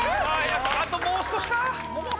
あともう少しか。